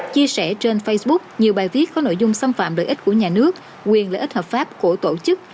chia sẻ trên facebook nhiều bài viết có nội dung xâm phạm lợi ích của nhà nước quyền lợi ích hợp pháp của tổ chức